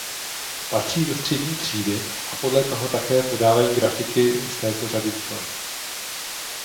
Patří do střední třídy a podle toho taky podávají grafiky z této řady výkon.